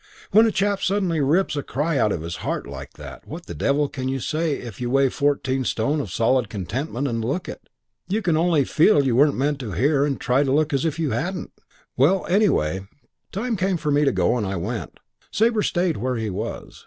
When a chap suddenly rips a cry out of his heart like that, what the devil can you say if you weigh fourteen stone of solid contentment and look it? You can only feel you weren't meant to hear and try to look as if you hadn't. "Well, anyway, time came for me to go and I went. Sabre stayed where he was.